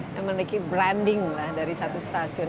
yang memiliki branding lah dari satu stasiun